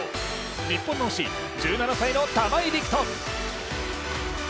日本の星、１７歳の玉井陸斗。